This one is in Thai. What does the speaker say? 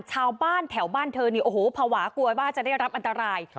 ชาวบ้านแถวบ้านเธอนี่โอ้โหภาวะกลัวว่าจะได้รับอันตราย